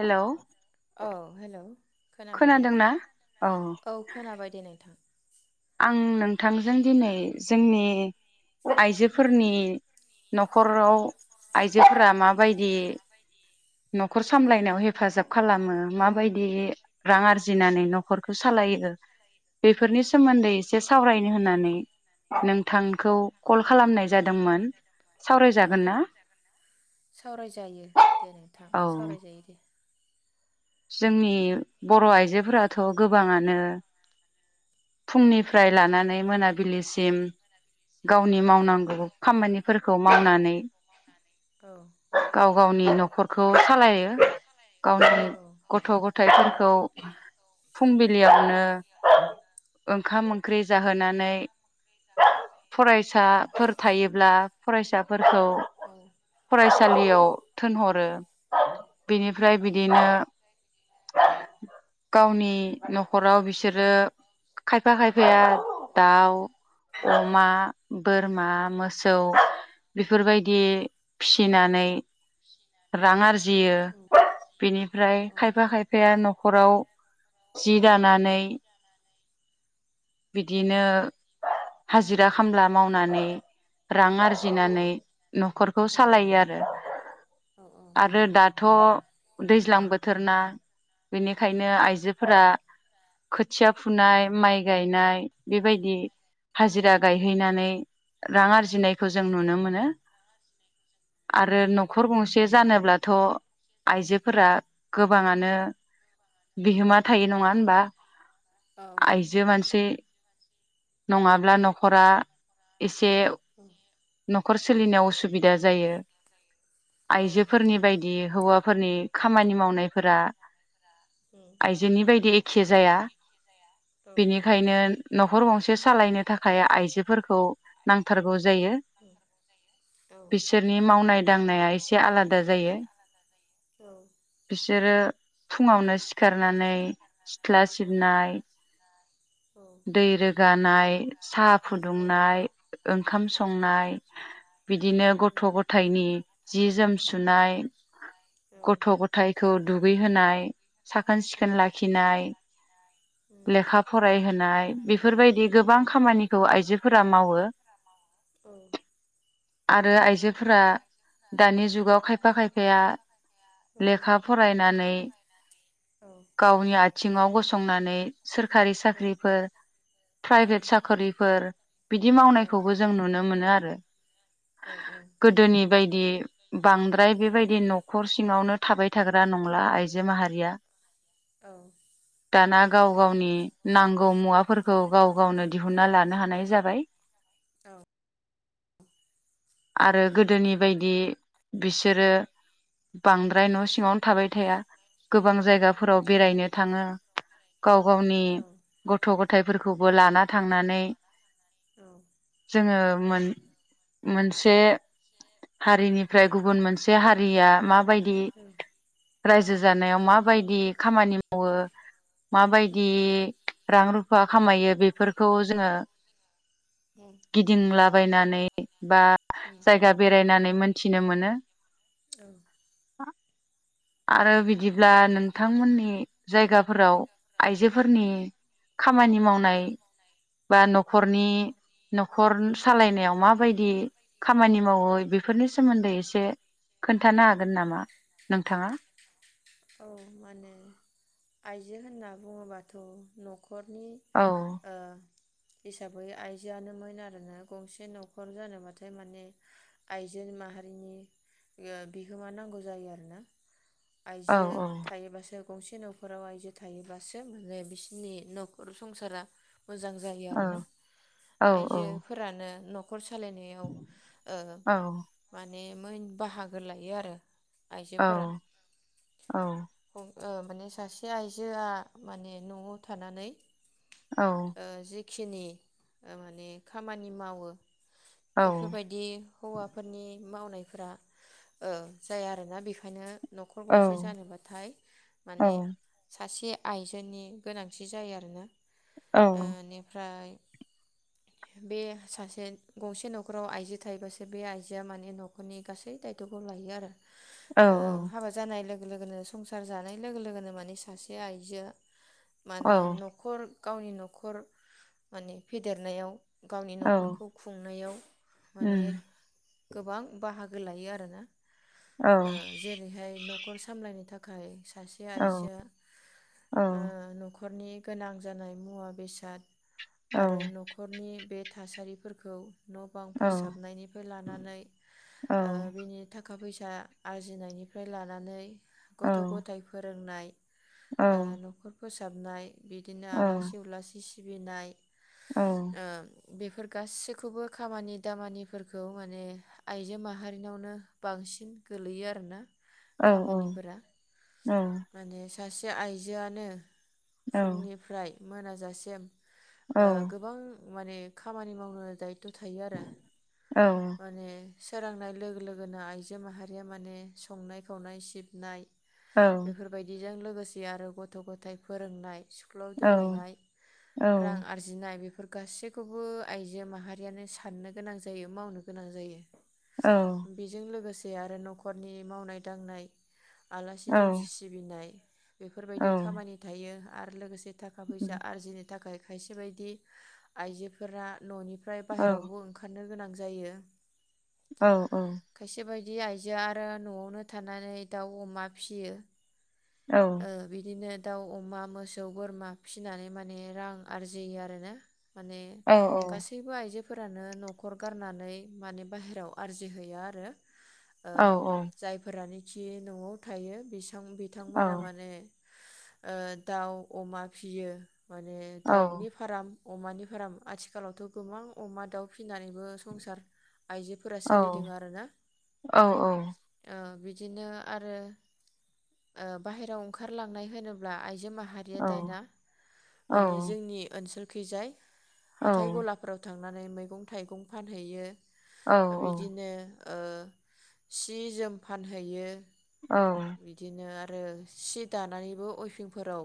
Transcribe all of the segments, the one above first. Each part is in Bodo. हेलौ औ हेलौ खोनाबाय दे खोनादोंना औ खोनाबाय दे नोंथां आं नोंथांजों दिनै जोंनि आइजोफोरनि न'खराव आइजोफोरा माबायदि न'खर सामलायनायाव हेफाजाब खालामो माबायदि रां आरजिनानै न'खरखौ सालायो बेफोरनि सोमोन्दै एसे सावरायनो होननानै नोंथांखौ कल खालामनाय जादोंमोन औ सावरायजागोन ना सावरायजायो दे नोंथां सावरायजायो दे जोंनि बर' आइजोफोराथ' गोबाङानो फुंनि फ फ्राय औ लानानै मोनाबिलिसिम गावनि औ मावनांगौ खामानिफोरखौ मावनानै [unintelligible] औ गाव गावनि न'खरखौ सालायो गावनि औ गथ'- गथायफोरखौ फुंबिलियावनो ओंखाम ओंख्रि जाहोनानै औ फरायसाफोर थायोब्ला फरायसा फोरखौ औ फरायसालियाव थोनहरो बिनिफ्राय औ बिदिनो गावनि न'खराव बिसोरो खायफा खायफाया दाउ अमा बोरमा मोसौ बेफोरबायदि फिसिनानै रां आरजियो बेनिफ्राय औ खायफाया न'खराव जि दानानै औ बिदिनो हाजिरा खामला मावनानै रां आरजिनानै न'खरखौ सालायो आरो आरो दाथ' दैज्लां बो थोरना बेनिखायनो आइजोफोरा खोथिया फुनाय माइ गायनाय बेबायदि हाजिरा गायहैनानै रां आरजिनायखौ जों नुनो मोनो। आरो न'खर गंसे जानोब्ला थ' आइजोफोरा गोबाङानो बिहोमा थायो नङा होनबा आयजो मानसि नङाब्ला न'खरा इ से न'खर सोलिनायाव उसुबिदा जायो आइजोफोरनि बायदि हौवाफोरनि खामानि मावनो नायफोरा। औ आइजोनि बायदि एखे जाया औ बेनिखायनो न'खर गंसे सालायनो थाखाय आइजोफोरखौ नांथारगौ जायो होथारगौ साहा बिसोरनि मावनाय दांनाया एसे आलादा जायो। सोरो फुङावनो सि सिखारनानै सिथ्ला सिबनाय दै रोगानाय साहा फुदुंनाय ओंखाम संनाय बिदिनो गथ' गथायाइनि जि जोम सुनाय जोम गथ' ग। आइखौ दुगैहोनाय। साखोन-सिखोन सुनाय लाखिनाय लाखिनाय लेखा फरायहोनाय बेफोरबायदि गोबां खामानिखौ आइजोफोरा मावो सोरखारि आरो आइजो। फोरा दानि जुगाव खायफा खायफाया। लेखा फरायनानै गावनि आथिङाव गसंनानै सोरखारि साख्रिफोर मावनायखौबो जों प्राइभेट नुनो साख्रिफोर बिदि मावनायखौबो जों नुनो मोनो आरो। आरो। बांद्राय बेबायदि न'खर सिङावनो गोदोनि बायदि। बांद्राय बेबायदि न'खर सिङावनो। थाबाय थाग्रा नंला आइजो माहारिया। औ। दाना गाव गावनि नांगौ मुवाफोरखौ गाव गावनो दिहुनन्ना लानो हानाय जाबाय। औ। आरो गोदोनि बायदि बिसोरो बांद्राय। न' सिङावनो थाबाय थाया गोबां जायगा। फोराव गोबां बेरायनो थाङो। गाव गावनि थाङो गथ' गथायाइफोरखौ। बो लाना थांनानै औ जोङो मोन मोनसे हारिनिफ्राय गुबुन मोनसे हारिया माबायदि औ रायजो जानायाव माबायदि खामानि मावो। औ माबायदि रां रुफा खामायो बेफोरखौ जोङो गिदिंलाबायनानै बा जायगा बेरायनानै मोनथिनो मोनो। उम आरो बिदिब्ला नोंथांमोननि जायगाफोराव आइजोफोरनि खामानि मावनाय बा न'खरनि न'खर सालायनायाव माबायदि खामानि मावो बेफोरनि सोमोन्दै एसे खोन्थानो हागोन नामा नों औ मा होनो आइजो होनना बुङोबाथ' न' न'खरनि औ ओ हिसाबै आइजोआनोमोन आरोना। गंसे न'खर जानोबाथाय माने आइजो माहारिनि ओ बिहोमा नांगौ जायो आरोना। औ आयजो थायोबासो गंसे न' खराव आयजो थायोब्लाासो माने बिसोरनि न'खर संसारा मोजां जायो औ आरोना। औ आइजोफोरानो न' न'खर सालायनायाव ओ औ मा ने मोन बाहागो लायो आरो औ आइजोफोरा। औ ओ माने सासे आइजोआ माने न'आव थानानै ओ जि खिनि माने खामानि मावो औ बेफोरबायदि हौवाफोरनि मावनायफोरा ओ जाया आरोना बेखायनो न'खर गंसे जानोबाथाय औ माने सासे आइजनि गोनांथि जायो आरोना। औ ओ इनिफ्राय बे सासे गंसे न'खराव आइजो थायोबासो बे आइजोआ माने न'खरनि गासै दायथ'खौ लायो आरो। ओ औ हाबा जानाय लोगो लोगो लोगोनो संसार जानाय लोगो लोगोनो माने सासे आइजोआ माने औ न'खर गावनि न'खर माने फेदेरनायाव गावनि औ न'खरखौ खुंनायाव माने उम गोबां बाहागो लायो आरोना। औ ओ जेरैहाय न'खर सामलायनो थाख खाय सासे आइजोआ औ ओ न'ख खरनि गोनां जानाय मुवा बेसाद औ आरो न'खरनि बे थासारिफोरखौ न' बां औ फोसाबनायनिफ्राय लानानै औ ओ बिनि थाखा फै सा आरजिनायनिफ्राय लानानै औ गथ' गथाइ फोरोंनाय औ ओ न'खर फोसाबनाय बिदिनो आलासि उलासि सि सिबिनाय औ ओ बेफोर गासैखौबो खामानि दामानिफोरखौ माने आइजो माहारिनावनो बांसिन गोलैयो आरोना औ औ खामानिफोरा औ माने सासे आइजोआनो फुंनिफ्राय मोनाजासेम ओ गोबां माने खामानि मावनो दाय थ' थायो आरो माने सोरांनाय लोगो लोगोनो आइजो माहारिया माने संनाय खावनाय सिबनाय बेफोरबायदि बेजों लोगोसे आरो गथ' ग'थाय फोरोंनाय स्कुलाव दोनहैनाय औ रां आरजिनाय बेफोर गासिख खौबो आइजो माहारियानो साननो गोनां जायो मावनो गोनां जायो बेजों लोगो से आरो न'खरनि मावनाय दांनाय आलासि दुमसि सिबिनाय बेफोरबायदि खामानि थायो। आरो लोगोसे थाखा फैसा आरजिनि थाखाय खायसे बायदि आइजोफोरा न'नि ओमफ्राय बाहेरावबो ओंखारनो गोनां जायो औ औ बिदि आइजोआ आरो न'आवनो थानानै दाउ अमा फिसियो। ओ बिदिनो दावउ, अमा, मोसौ, बोरमा फिसिनानै माने रां आरजियो आरोना माने गासैबो आइजो फोरानो न'खर गारनानै माने बाहेरायाव आरजिहैया आरो ओ जायफोरानो जि न'आव थायो बि थां बिथांमोना माने ओ दाउ अमा फियो माने दाउनि फार्म अमानिफ्राम आथिखालावथ' गोबां अमा, दाउ फिनानैबो संसार आइजोफोरा सोलिदों आरोना ओ बिदिनो आरो ओ बाहेराव ओंखारलांनाय होनोब्ला आय जो माहारिया दाना माने जोंनि ओनसोल खैजाय हाथाय गलाफोराव थां लानानै मैगं-थाइगं फानहैयो बिदिनो ओ सि जोम फानहैयो बिदिनो आरो सि दानानैबो अइफिंफोराव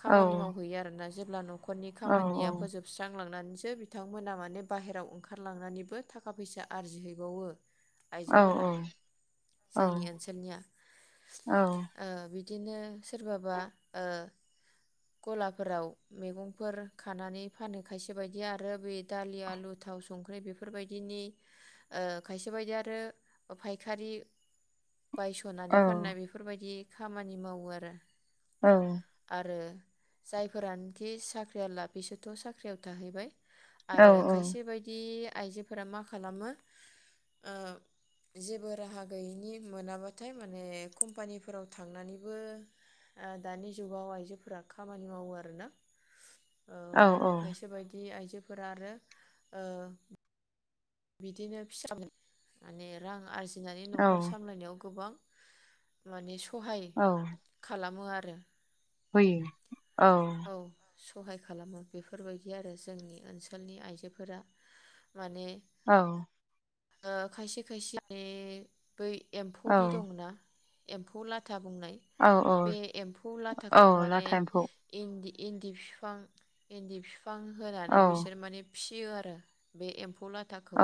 खामानि मावहैयो आरोना जेब्ला न'खर खामानिया फोजोबस्रां बुंलांनानैसो बिथांमोना माने बाहेराव ओंखारलांनानैबो थाखा फैसा आरजिहैबावो आइजोफोरा जोंनि ओनसोलनिया ओ बि बिदिनो सोरबाबा ओ गलाफोराव मैगंफोर खानानै फानो खायसे बायदिया आरो बे दालि, आलु, थाव संख्रि बेफोरबायदिनि ओ खायसे बायदिया आरो फायखारि बायस'नानै फाननाय बेफोरबायदि खामानि मावो आरो आरो जायफोरानोखि साख्रिआलला बिसोरथ' साख्रियाव थाहैबाय। आरो औ खायसे बायदि आइजोफोरा मा खालामो ओ जेबो राहा गैयैनि मोनाबाथाय माने कम्पानिफोराव थांनानैबो ओ दानि जुगाव आइजोफोरा खामानि मावो आरो ना। औ आरो खायसे बायदि आइजो फोरा आरो ओ बिदिनो फिसा [unintelligible] माने रां आरजि नानै औ न'खर सामलायनायाव गोबां माने सहाय खालामो आ रो हैयो। औ। सहाय खालामो बेफोरबायदि आरो जोंनि ओनसोलनि आइजोफोरा। माने औ ओ खायसे खायसे [unintelligible] बै औ एम्फौदि दङो ना एम्फौ ला था बुंनाय औ औ बे एम्फौ लाथाखौ औ माने लाथा एम्फौ इन्दि इन्दि फिफां इन्दि फि फां औ होनानै बिसोर माने फिसियो आरो बे एम्फौ लाथाखौ ओ औ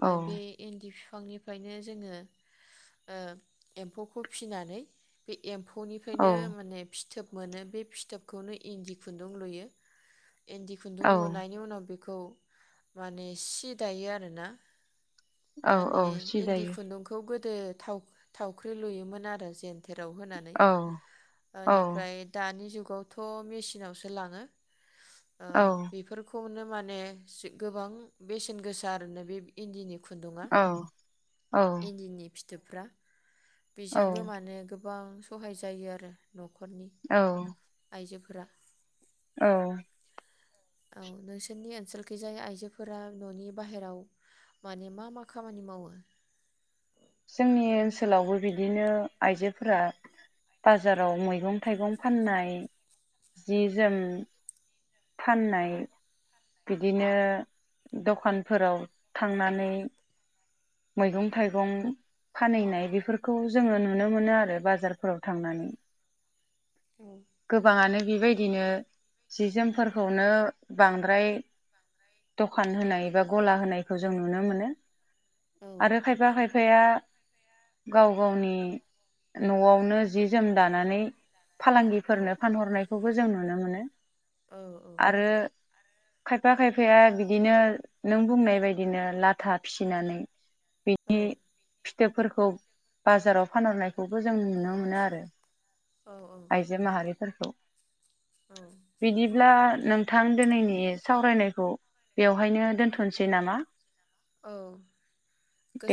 औ बे इन दि फिफांनिफ्रायनो जोङो ओ एम्फौखौ फिसिनानै बे एम्फौ औ निफ्रायनो माने फिथोब मोनो बे फिथोबखौनो इन्दि खुन्दुं लुयो। इन्दि खुन्दुं लुनायनि उनाव बे औमाने सि दायो आरो ना औ औ माने सि इन्दि दायो खुन्दुंखौ गो गोदो थाव थावख्रि लुयोमोन आरो जेन खेराव होनानै औ औ ओनिफ्राय दानि जुग खौथ मेसिनावसो लांङों ओ औ बेफोरखौनो माने सि गोबां बेसेन गोसा आरो ने बे इन्दिनि खुन्दुंङा औ इन्दिनि फि जोप्रा बेजोंबो माने गो गोबां सहाय जायो आरो न'खरनि औ आइजोफोर ब्रा औ औ नोंसोरनि ओनसोलखैजाय आइजोफोरा न'नि बाहेराव माने मा मा खामानि मावो? जोंनि ओनसोलावबो बिदिनो आइजोफोरा बाजाराव मैगं थाइगं फाननाय जि जोम फाननाय। बिदिनो दखानफोराव थांनानै मैगं थाइगं फानहैनाय बेफोरखौ जोङो नुनो मोनो आरो बाजारफोराव थांनानै औ गोबाङानो बेबायदिनो जि जोमफोरखौनो बांद्राय दखान होनाय बा गला होनायखौ जों नुनो मोनो। औ आरो खायबा खायफा खायफाया गाव गावनि न'आवनो जि जोम दानानै फालांगि औ फोरनो फानहरनायखौ खौ जों नुनो मोनो औ औ आरो खायफा खायफाया बिदिनो नों बुंनाय बायदिनो लाथा फिसिनानै औ फिथोबफोरखौ बाजाराव फानहरनायखौबो जों नुनो मोनो आरो। औ औ माहारि फोरखौ बिदिब्ला नोंथां दिनैनि सावरायनायखौ बेवहायनो दोनथ'नोसै नामा औ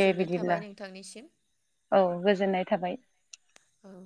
दे बिदिब्ला थाबाय नोंथांनिसिम औ गोजोननाय थाबाय औ